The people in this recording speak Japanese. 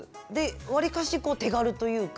わりかし手軽というか。